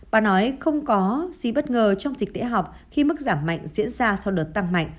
bà nói không có gì bất ngờ trong dịch tễ học khi mức giảm mạnh diễn ra sau đợt tăng mạnh